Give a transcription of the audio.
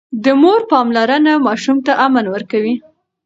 د مور پاملرنه ماشوم ته امن ورکوي.